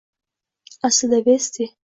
Aslida, Vesti